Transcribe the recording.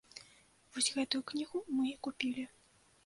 Вось гэтую кнігу мы і купілі.